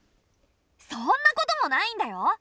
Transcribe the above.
そんなこともないんだよ。